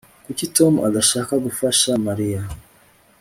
Kuki Tom adashaka gufasha Mariya